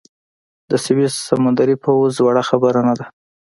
د سویس سمندري پوځ وړه خبره نه ده.